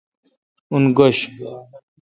اُن گش